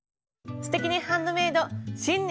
「すてきにハンドメイド」新年